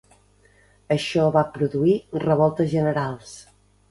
Això va produir revoltes generals.